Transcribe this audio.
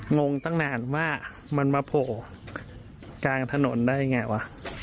งงตั้งนานว่ามันมาโผล่กลางถนนได้ยังไงวะ